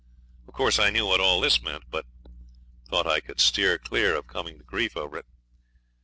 Of course I knew what all this meant, but thought I could steer clear of coming to grief over it.